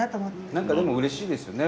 何かでもうれしいですよね。